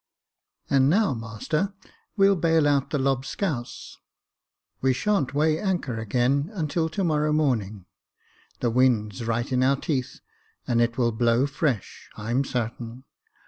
" And now, master, we'll bail out the lobscouse. We sha'n't weigh anchor again until to morrow morning ; the wind's right in our teeth, and it will blow fresh, I'm sartain.